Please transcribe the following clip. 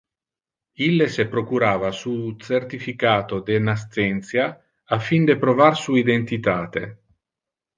Ille se procurava su certificato de nascentia a fin de provar su identitate.